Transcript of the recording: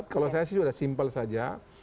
kalau saya sih sudah simpel saja